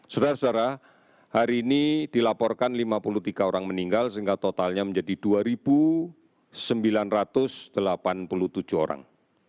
saudara saudara hari ini dilaporkan lima puluh tiga orang meninggal sehingga totalnya menjadi dua sembilan ratus delapan puluh tujuh orang